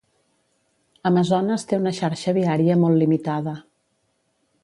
Amazones té una xarxa viària molt limitada.